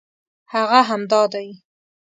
هغه همدا دی.